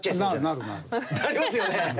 なりますよね？